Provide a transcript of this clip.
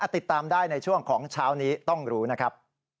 ติดตามได้ในช่วงของเช้านี้ต้องรู้นะครับ